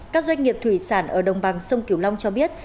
các doanh nghiệp thủy sản ở đồng bằng sông kiểu long cho biết